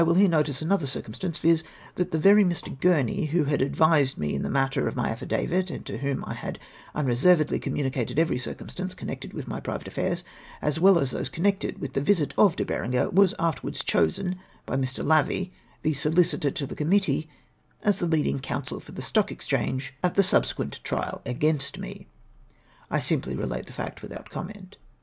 here notice another circumstance, viz, that the very Mr, Gurney who had advised me in the matter of my affidavit, and to whom I had um^eservedly communicated every circumstance connected with my private affairs, as well as those connected with the visit of De Berenger, was afterwards chosen by Mr. Lavie, the solicitor to the comunttee, as the lead ing counsel for the Stock Exchamje at die subsequent MY AFFIDAVIT. 33,5 trial aijainst me ! I simply relate the flict, without comment.